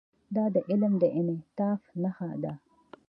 دا د علم د انعطاف نښه ده.